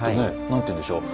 何ていうんでしょう